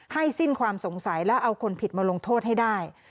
สิ้นความสงสัยและเอาคนผิดมาลงโทษให้ได้